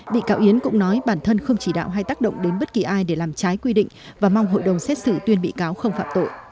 bị cáo yến cũng nói bản thân không chỉ đạo hay tác động đến bất kỳ ai để làm trái quy định và mong hội đồng xét xử tuyên bị cáo không phạm tội